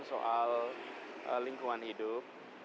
soal lingkungan hidup